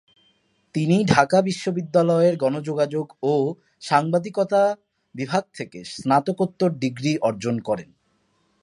তিনি ঢাকা বিশ্ববিদ্যালয়ের গণযোগাযোগ ও সাংবাদিকতা বিভাগ থেকে স্নাতকোত্তর ডিগ্রি অর্জন করেন।